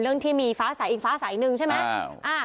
เรื่องที่มีฟ้าสายอีกฟ้าสายหนึ่งใช่ไหม